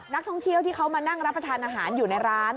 นักท่องเที่ยวที่เขามานั่งรับประทานอาหารอยู่ในร้าน